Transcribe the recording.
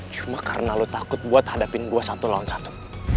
cuma karena lo takut buat hadapin gue satu lawan satu